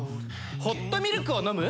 「ホットミルクを飲む」。